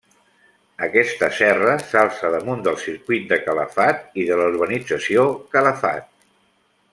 Aquesta serra s'alça damunt del Circuit de Calafat i de la urbanització Calafat.